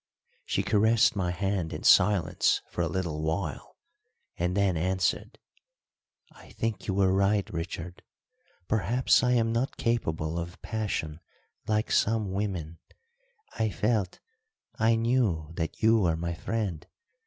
She caressed my hand in silence for a little while, and then answered, "I think you were right, Richard. Perhaps I am not capable of passion like some women. I felt I knew that you were my friend.